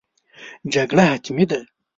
جګړه حتمي ده.